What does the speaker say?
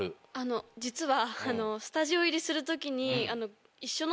実は。